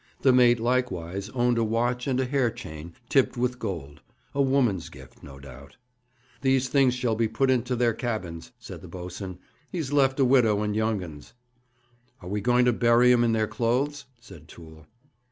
The mate likewise owned a watch and a hair chain, tipped with gold a woman's gift, no doubt. 'These things shall be put into their cabins,' said the boatswain. 'He's left a widow and young uns.' 'Are we going to bury 'em in their clothes?' said Toole.